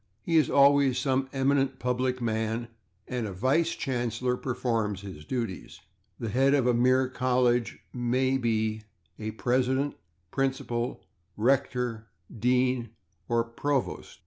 He is always some eminent public man, and a /vice chancellor/ performs his duties. The head of a mere college may be a /president/, /principal/, /rector/, /dean/ or /provost